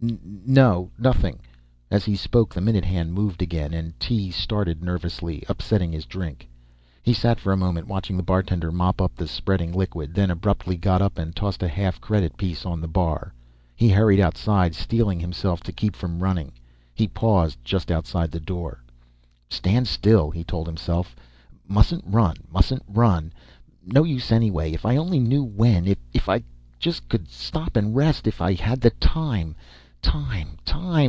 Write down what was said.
"N ... no, nothing." As he spoke, the minute hand moved again and Tee started nervously, upsetting his drink. He sat for a moment watching the bartender mop up the spreading liquid, then abruptly got up and tossed a half credit piece on the bar. He hurried outside, steeling himself to keep from running. He paused just outside the door. Stand still, he told himself. _Mustn't run! Mustn't run! No use anyway. If I only knew when. If I just could stop and rest. If I had the time ... Time! Time!